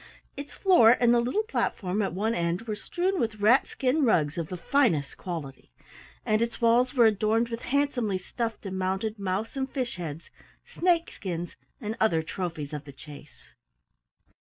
Its floor and the little platform at one end were strewn with rat skin rugs of the finest quality, and its walls were adorned with handsomely stuffed and mounted mouse and fish heads, snake skins, and other trophies of the chase.